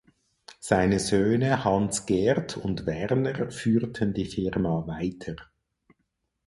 Seine Söhne Hans Gert und Werner führten die Firma weiter.